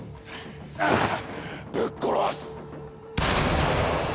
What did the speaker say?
ぶっ殺す！